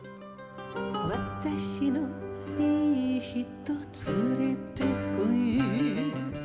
「私のいい人つれて来い」